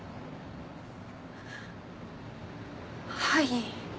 はい。